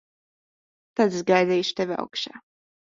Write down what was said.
Tad es gaidīšu tevi augšā.